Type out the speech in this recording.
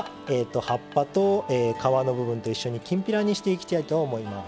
葉っぱと皮の部分と一緒にきんぴらにしていきたいと思います。